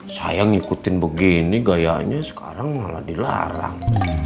saya ngikutin begini gayanya sekarang malah dilarang